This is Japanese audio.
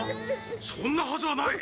そんなはずはない！